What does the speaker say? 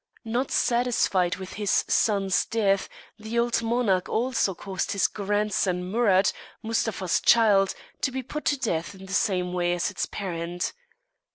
Not satisfied with his son's death, the old monarch also caused his grandson Murat, Mustapha's child, to be put to death in the same way as its parent.